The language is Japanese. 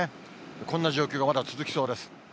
こんな状況がまだ続きそうです。